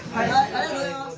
ありがとうございます。